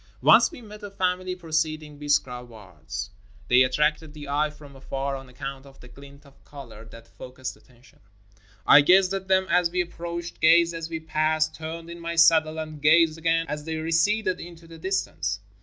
Once we met a family proceeding Biskra wards. They attracted the eye from afar on account of the glint of color that focused attention. I gazed at them as we ap proached, gazed as we passed, turned in my saddle and gazed again as they receded into the distance.